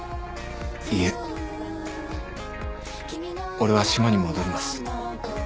いえ俺は島に戻ります。